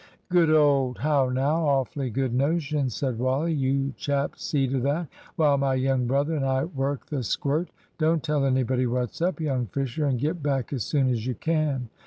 "Good old `How now!' awfully good notion," said Wally. "You chaps see to that, while my young brother and I work the squirt. Don't tell anybody what's up, young Fisher, and get back as soon as you can."